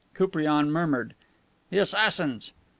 Koupriane murmured, "The assassins!"